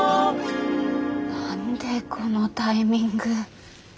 何でこのタイミング。